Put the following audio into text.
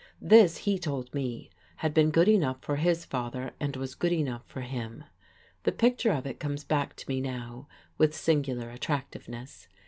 This, he told me, had been good enough for his father, and was good enough for him. The picture of it comes back to me, now, with singular attractiveness.